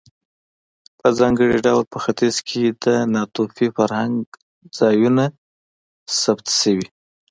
په ځانګړي ډول په ختیځ کې د ناتوفي فرهنګ ځایونه ثبت شوي.